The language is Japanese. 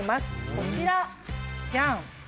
こちらジャン。